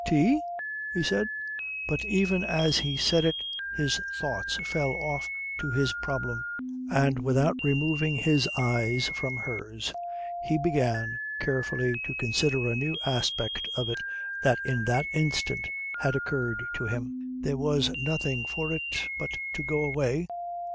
"Tea?" he said. But even as he said it his thoughts fell off to his problem, and without removing his eyes from hers he began carefully to consider a new aspect of it that in that instant had occurred to him. There was nothing for it but to go away.